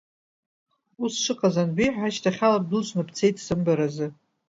Уа сшыҟаз анбеиҳәа, ашьҭахьала бдәылҵны бцеит сымбаразы…